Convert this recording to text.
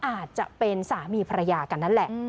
อาจจะเป็นสามีภรรยากันนั่นแหละ